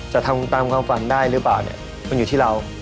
จะทำของฟันได้หรือเปล่าเนี้ยมันอยู่ที่เรา